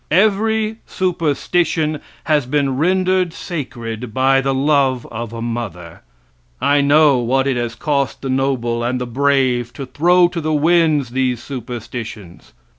Every superstition has been rendered sacred by the love of a mother. I know what it has cost the noble and the brave to throw to the winds these superstitions.